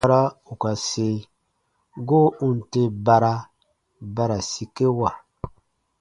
Bara tè goo koo bara ù ka se, goo ù n tè bara, ba ra sikewa.